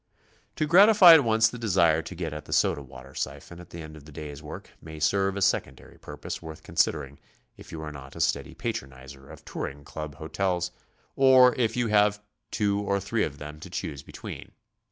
To gratify at once the desire to get at the soda water siphon at the end of the day's work may serve a secondary purpose wort^h considering if you are not a steady patronizer of touring club hotels or if you have two or three of them to choose between.